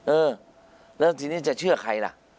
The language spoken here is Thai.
เออแล้วทีนี้จะเชื่อใครล่ะ